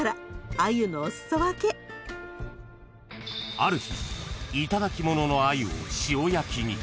［ある日いただきもののアユを塩焼きに］